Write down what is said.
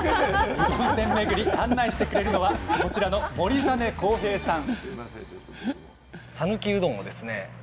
うどん店巡り案内してくれるのはこちらの守實洸平さん。